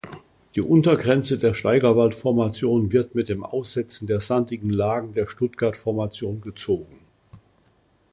Die Untergrenze der Steigerwald-Formation wird mit dem Aussetzen der sandigen Lagen der Stuttgart-Formation gezogen.